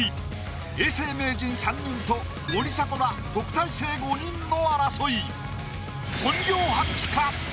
永世名人３人と森迫ら特待生５人の争い。